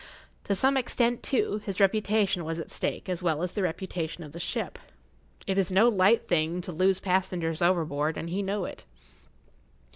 To some extent, too, his reputation was at[Pg 58] stake, as well as the reputation of the ship. It is no light thing to lose passengers overboard, and he knew it.